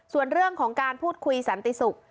ส่วนเรื่องของการพูดคุยสันติศุกร์